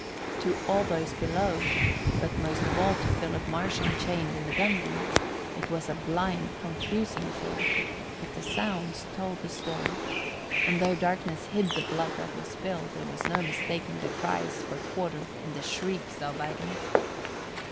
To all those below, but most of all to Philip Marsham chained in the gun room, it was a blind, confusing affair; but the sounds told the story; and though darkness hid the blood that was spilled, there was no mistaking the cries for quarter and the shrieks of agony.